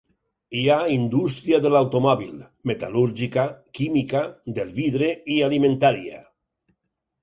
Hi ha indústria de l'automòbil, metal·lúrgica, química, del vidre i alimentària.